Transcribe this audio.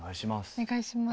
お願いします。